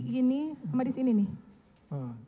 enggak jadi gini sama di sini nih